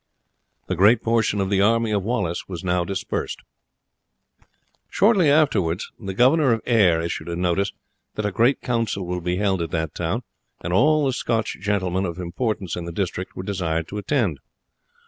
The greater portion of the army of Wallace was now dispersed. Shortly afterwards the governor of Ayr issued a notice that a great council would be held at that town, and all the Scotch gentlemen of importance in the district were desired to attend.